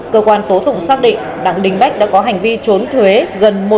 cơ quan tố thủng xác định đặng đình bách đã có hành vi trốn thuế gần một bốn tỷ đồng